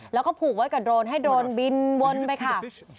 แล้วก็ผูกไว้กับโรนให้โรนบินวนไปค่ะ